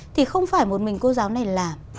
thì không phải một mình cô giáo này làm